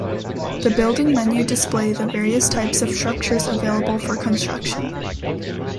The building menu display the various types of structures available for construction.